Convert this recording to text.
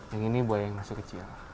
yang ini buaya yang masih kecil